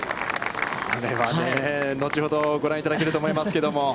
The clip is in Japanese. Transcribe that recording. これは後ほどご覧いただけると思いますけれども。